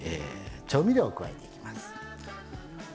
調味料を加えていきます。